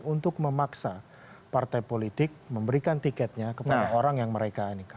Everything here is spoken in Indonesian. untuk memaksa partai politik memberikan tiketnya kepada orang yang mereka ini